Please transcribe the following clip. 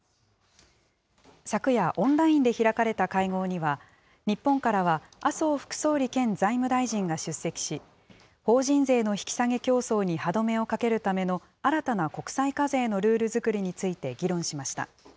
昨夜オンラインで開かれた会合には、日本からは麻生副総理兼財務大臣が出席し、法人税の引き下げ競争に歯止めをかけるための新たな国際課税のルール作りについて議論しました。